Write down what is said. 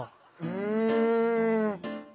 うん。